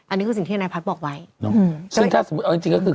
อันนี้คือสิ่งที่ธนายพัฒน์บอกไว้ซึ่งถ้าสมมุติเอาจริงจริงก็คือ